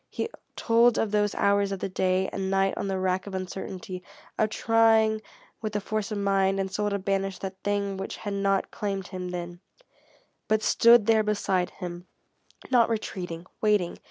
He told of those hours of the day and night on the rack of uncertainty, of trying with the force of mind and soul to banish that thing which had not claimed him then, but stood there beside him, not retreating, waiting.